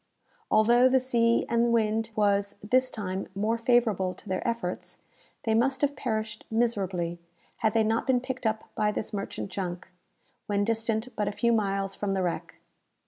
Although the sea and wind was, this time, more favourable to their efforts, they must have perished miserably, had they not been picked up by this merchant junk, when distant but a few miles from the wreck.